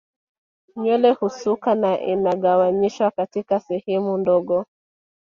Nywele husukwa na inagawanyishwa katika sehemu ndogo